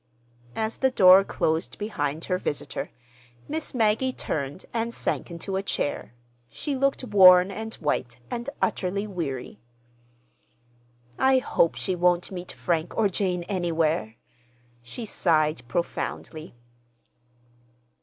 As the door closed behind her visitor, Miss Maggie turned and sank into a chair. She looked worn and white, and utterly weary. "I hope she won't meet Frank or Jane anywhere." She sighed profoundly.